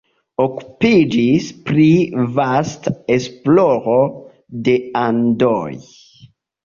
Okupiĝis pri vasta esploro de Andoj.